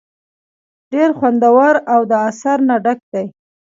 ډېر خوندور او د اثر نه ډک دے ۔